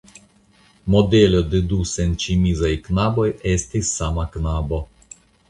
Modelo de du senĉemizaj knaboj estis sama knabo.